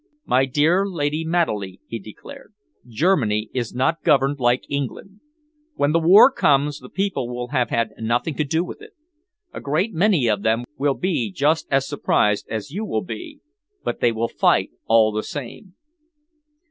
"My dear Lady Maddeley," he declared, "Germany is not governed like England. When the war comes, the people will have had nothing to do with it. A great many of them will be just as surprised as you will be, but they will fight all the same."